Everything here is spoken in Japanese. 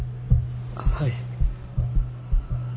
はい。